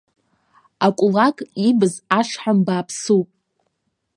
Акулак ибз ашҳам бааԥсуп.